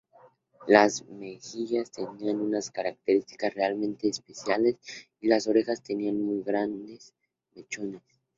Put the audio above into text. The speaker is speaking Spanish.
Las mejillas tenían unas características realmente especiales y las orejas tenían grandes mechones.